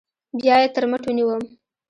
بيا يې تر مټ ونيوم.